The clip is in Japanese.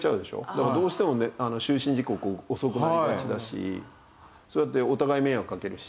だからどうしても就寝時刻遅くなりがちだしそうやってお互い迷惑かけるし。